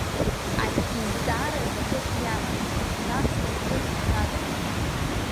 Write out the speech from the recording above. Ари изҵаара ҵакыс иаман, Нас сызхылҵшьҭрада?!